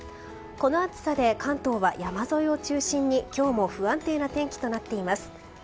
この暑さで関東は山沿いを中心に今日も不安定な天気となっています。